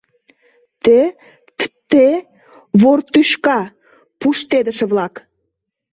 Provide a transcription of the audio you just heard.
Те, т-те, вор тӱшка, пуштедыше-влак!